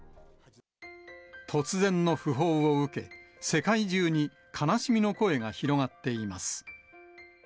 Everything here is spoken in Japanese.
突然の訃報を受け、世界中に悲しみの声が広がっています。